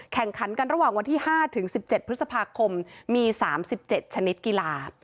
แข่งขันกันระหว่างวันที่๕ถึง๑๗พฤษภาคมมี๓๗ชนิดกีฬา